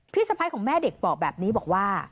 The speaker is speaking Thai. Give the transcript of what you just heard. สะพ้ายของแม่เด็กบอกแบบนี้บอกว่า